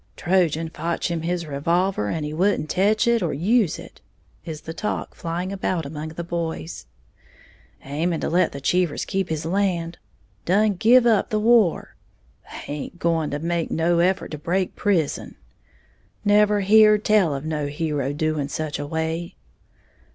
"Trojan fotch him his revolver and he wouldn't tech it or use it," is the talk flying about among the boys. "Aiming to let the Cheevers keep his land." "Done give up the war." "Haint going to make no effort to break prison." "Never heared tell of no hero doing such a way!"